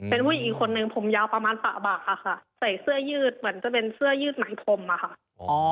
เป็นผู้หญิงอีกคนนึงผมยาวประมาณปะบักค่ะใส่เสื้อยืดเหมือนจะเป็นเสื้อยืดไหนพรมอะค่ะ